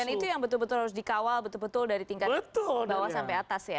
dan itu yang betul betul harus dikawal betul betul dari tingkat bawas sampai atas ya